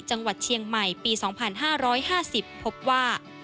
จังหวัดเชียงใหม่ปี๒๕๕๐พบว่า